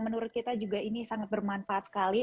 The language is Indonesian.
menurut kita juga ini sangat bermanfaat sekali